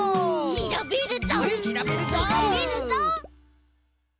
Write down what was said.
しらべるぞ！